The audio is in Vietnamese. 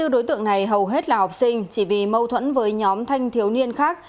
hai mươi đối tượng này hầu hết là học sinh chỉ vì mâu thuẫn với nhóm thanh thiếu niên khác